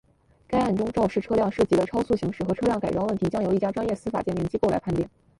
该案中肇事车辆涉及的超速行驶和车辆改装问题将由一家专业司法鉴定机构来判定。